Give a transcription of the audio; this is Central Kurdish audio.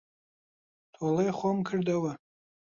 تۆڵەی خۆم کردەوە.